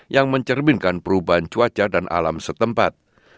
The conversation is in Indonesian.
yang mencerminkan perubahan cuaca dan alam setempat